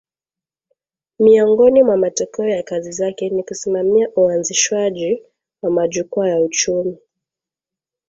Miongoni mwa matokeo ya kazi zake ni kusimamia uanzishwaji wa majukwaa ya uchumi